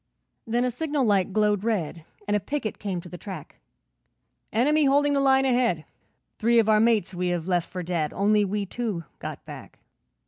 Then a signal light glowed red, And a picket came to the track. 'Enemy holding the line ahead, Three of our mates we have left for dead, Only we two got back.'